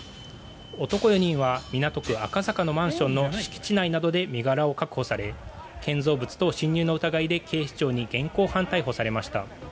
男らは港区赤坂の敷地内で身柄が確保され建造物等侵入の疑いで警視庁に現行犯逮捕されました。